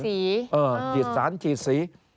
ฉีดสารฉีดสี